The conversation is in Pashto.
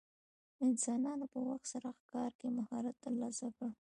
انسانانو په وخت سره ښکار کې مهارت ترلاسه کړ.